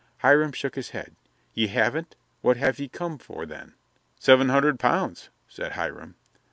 Hiram shook his head. "Ye haven't? What have ye come for, then?" "Seven hundred pounds," said Hiram.